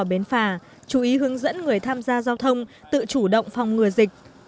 bến phà chú ý hướng dẫn người tham gia giao thông tự chủ động phòng ngừa dịch